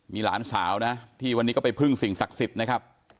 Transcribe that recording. มีหลานสาวนะที่วันนี้ก็ไปพึ่งสิ่งศักดิ์สิทธิ์นะครับ